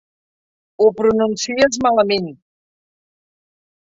Ho pronuncies malament.